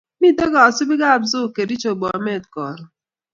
Miten kasubik ab zoo kericho Bomet karun